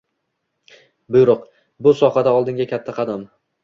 Buyruq - bu sohada oldinga katta qadam